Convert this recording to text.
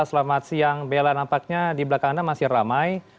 selamat siang bella nampaknya di belakang anda masih ramai